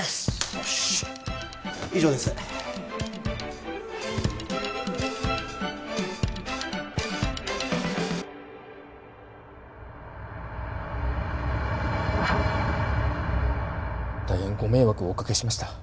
よっしゃ以上です大変ご迷惑をおかけしました